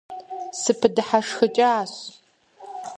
СыпыдыхьэшхыкӀащ.